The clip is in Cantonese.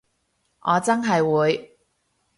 我真係會